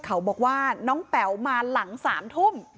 เขาบอกว่าน้องแป๋วมาหลัง๓ทุ่ม